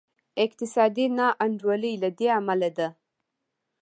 اقتصادي نا انډولي له دې امله ده.